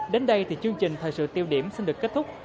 đến đây thì chương trình thời sự tiêu điểm xin được kết thúc